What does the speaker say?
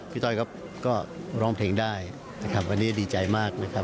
พี่ต้อยครับก็ร้องเพลงได้วันนี้ดีใจมากนะครับ